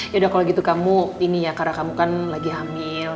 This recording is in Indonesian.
yaudah kalau gitu kamu karena kamu kan lagi hamil